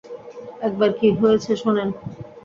একবার কী হয়েছে, শোনেন।